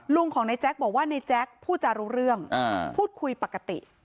ลุงของในแจ๊คบอกว่าในแจ๊คพูดจารู้เรื่องพูดคุยปกติ